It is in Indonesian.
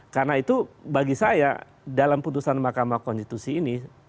karena itu bagi saya dalam putusan makamah konstitusi ini